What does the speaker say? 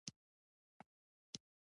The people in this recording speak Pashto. د ګازرې شیره د څه لپاره وکاروم؟